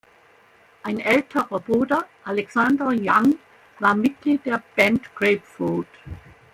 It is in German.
Ein älterer Bruder, Alexander Young, war Mitglied der Band Grapefruit.